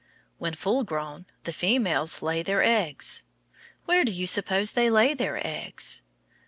When full grown, the females lay their eggs. Where do you suppose they lay their eggs?